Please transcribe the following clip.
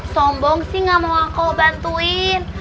sombong sih gak mau aku bantuin